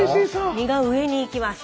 身が上に行きます。